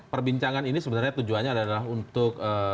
perbincangan ini sebenarnya tujuannya adalah untuk